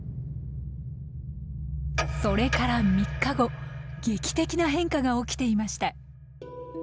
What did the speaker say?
それから３日後劇的な変化が起きていました。